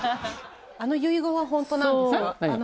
あの遺言はホントなんですか？